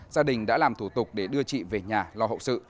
gia đình đã làm thủ tục để đưa chị về nhà lo hậu sự